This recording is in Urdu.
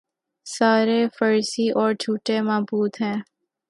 سارے فرضی اور جھوٹے معبود ہیں